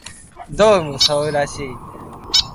どうもそうらしい